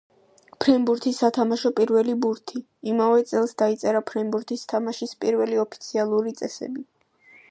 ფრენბურთის სათამაშო პირველი ბურთი. იმავე წელს დაიწერა ფრენბურთის თამაშის პირველი ოფიციალური წესები.